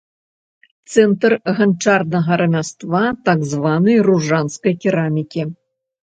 Цэнтр ганчарнага рамяства, так званай ружанскай керамікі.